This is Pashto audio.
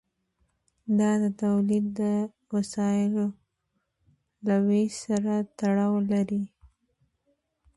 دا د تولید د وسایلو له ویش سره تړاو لري.